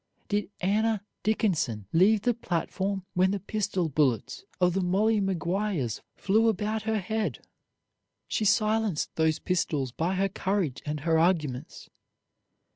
Did Anna Dickinson leave the platform when the pistol bullets of the Molly Maguires flew about her head? She silenced those pistols by her courage and her arguments.